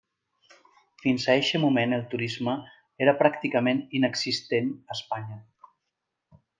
Fins a eixe moment el turisme era pràcticament inexistent a Espanya.